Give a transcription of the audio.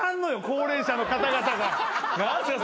高齢者の方々が。